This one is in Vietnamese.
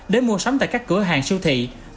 để mua sắm tại các cửa hàng siêu thị